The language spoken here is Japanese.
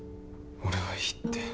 俺はいいって。